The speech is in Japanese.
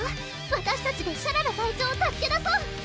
わたしたちでシャララ隊長を助け出そう！